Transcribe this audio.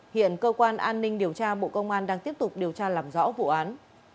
hiện cơ quan an ninh điều tra bộ công an đang tiếp tục điều tra làm rõ vụ án